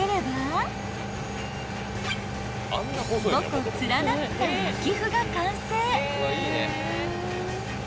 ［５個連なった焼き麩が完成］